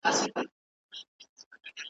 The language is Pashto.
ملګرو لار بدله کړی کاروان په باورنه دی `